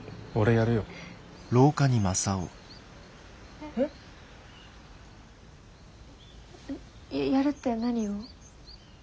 やるって何を？